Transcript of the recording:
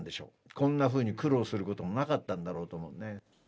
こんなふうに苦労することもなかったんだろうと思うね。